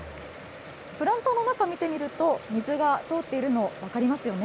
プランターの中、見てみると、水が通っているの、分かりますよね。